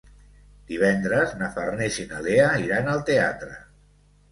Divendres na Farners i na Lea iran al teatre.